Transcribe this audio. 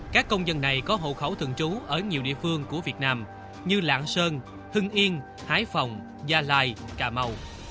các công dân này có hộ khẩu thường trú ở nhiều địa phương của việt nam như lạng sơn hưng yên hải phòng gia lai cà mau